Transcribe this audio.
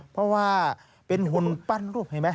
เพราะว่าเป็นหุ้นปั้นรู้ไหม